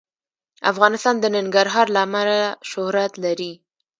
افغانستان د ننګرهار له امله شهرت لري.